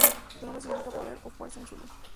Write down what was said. Su nombre significa "poder" o "fuerza" en Zulú.